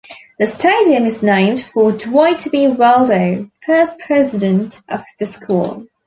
The stadium is named for Dwight B. Waldo, first president of the school.